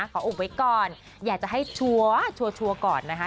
ขออบไว้ก่อนอยากจะให้ชัวร์ชัวร์ก่อนนะคะ